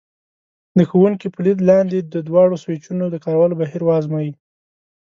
د ښوونکي په لید لاندې د دواړو سویچونو د کارولو بهیر وازمایئ.